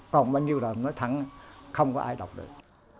còn bao nhiêu là nói thẳng không có ai đọc được